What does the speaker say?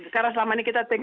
karena selama ini kita tegur